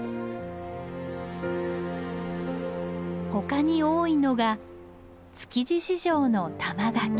ほかに多いのが築地市場の玉垣。